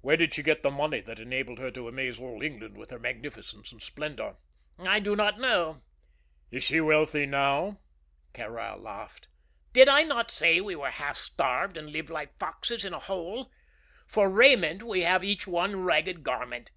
Where did she get the money that enabled her to amaze all England with her magnificence and splendor?" "I do not know." "Is she wealthy now?" Kāra laughed. "Did I not say we were half starved, and live like foxes in a hole? For raiment we have each one ragged garment.